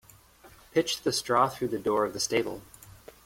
Pitch the straw through the door of the stable.